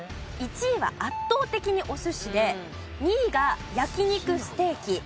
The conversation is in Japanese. １位は圧倒的にお寿司で２位が焼肉・ステーキ。